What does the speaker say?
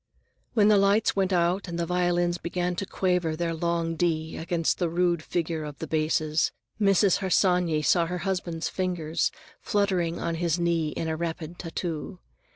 When the lights went out and the violins began to quaver their long D against the rude figure of the basses, Mrs. Harsanyi saw her husband's fingers fluttering on his knee in a rapid tattoo.